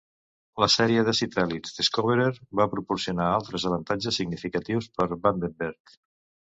La sèrie de satèl·lits Discoverer va proporcionar altres avantatges significatius per Vandenberg.